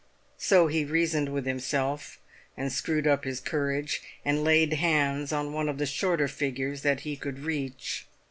So he reasoned with himself, and screwed up his courage, and laid hands on one of the shorter figures that he could reach.